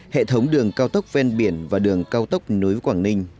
hệ thống đường cao tốc ven biển và đường cao tốc nối quảng ninh